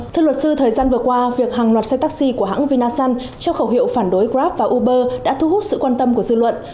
thưa luật sư thời gian vừa qua việc hàng loạt xe taxi của hãng vinasun trong khẩu hiệu phản đối grab và uber đã thu hút sự quan tâm của dư luận